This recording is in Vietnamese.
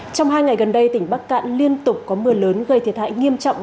trong hai ngày gần đây tỉnh bắc cạn liên tục có mưa lớn gây thiệt hại nghiêm trọng